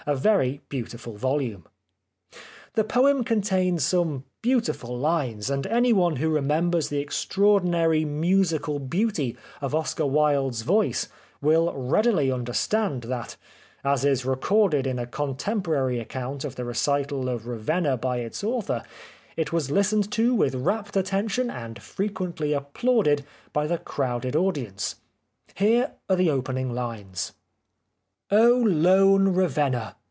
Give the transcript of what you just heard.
a very beautiful volume. The poem contains some beautiful hnes, and anyone who remembers the extraordinary musical beauty of Oscar Wilde's voice will readily understand that, as is recorded in a con temporary account of the recital of " Ravenna " by its author, "it was hstened to with rapt 156 The Life of Oscar Wilde attention and frequently applauded " by the crowded audience. Here are the opening lines :" O lone Ravenna